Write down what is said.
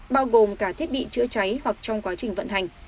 bao gồm cả thiết bị chữa cháy hoặc trong quá trình vận hành